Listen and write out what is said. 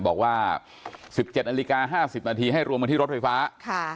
บอกว่าสิบเจ็ดนาฬิกาห้าสิบนาทีให้รวมอันที่รถไฟฟ้าค่ะ